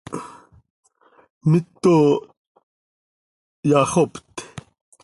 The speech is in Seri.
¡Mito haxopt!